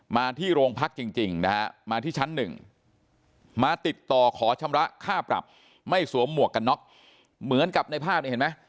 มาที่โรงพักจริงนะฮะมาที่ชั้นหนึ่งมาติดต่อขอชำระค่าปรับไม่สวมหมวกกันน็อกเหมือนกับในภาพนี้เห็นไหม